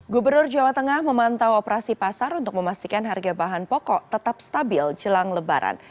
gubernur jawa tengah memantau operasi pasar untuk memastikan harga bahan pokok tetap stabil jelang lebaran